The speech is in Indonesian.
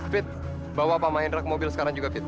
pit bawa pak mahendra ke mobil sekarang juga pit